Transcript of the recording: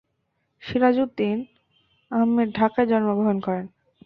সিরাজ উদ্দিন আহমেদ ঢাকায় জন্মগ্রহণ করেন।